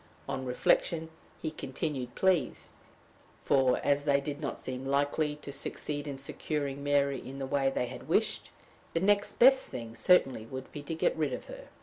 On reflection, he continued pleased; for, as they did not seem likely to succeed in securing Mary in the way they had wished, the next best thing certainly would be to get rid of her.